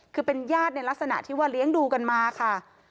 คือเป็นญาติในลักษณะที่ว่าเลี้ยงดูกันมาค่ะ